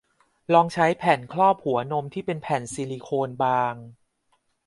ลองใช้แผ่นครอบหัวนมที่เป็นแผ่นซิลิโคนบาง